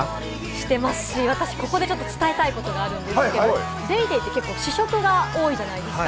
してますし、私ここで伝えたいことがあるんですけれども、『ＤａｙＤａｙ．』って試食が多いじゃないですか。